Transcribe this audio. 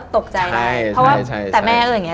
ใช่ใช่ใช่แต่แม่เอ้ยอย่างงี้